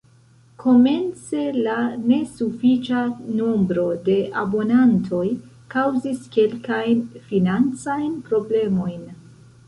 Komence la nesufiĉa nombro de abonantoj kaŭzis kelkajn financajn problemojn.